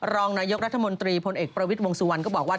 รองนายกรัฐมนตรีพลเอกประวิทย์วงสุวรรณก็บอกว่า